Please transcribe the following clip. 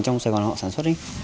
trong sài gòn họ sản xuất